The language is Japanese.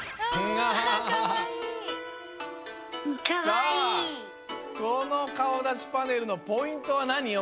さあこのかおだしパネルのポイントはなに？